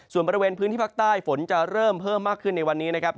ส่วนบริเวณพื้นที่ภาคใต้ฝนจะเริ่มเพิ่มมากขึ้นในวันนี้นะครับ